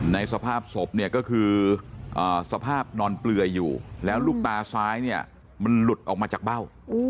สภาพศพเนี่ยก็คือสภาพนอนเปลือยอยู่แล้วลูกตาซ้ายเนี่ยมันหลุดออกมาจากเบ้า